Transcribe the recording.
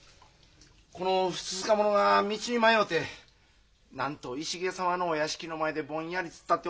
このふつつか者が道に迷うてなんと石毛様のお屋敷の前でぼんやり突っ立っておりましたんで。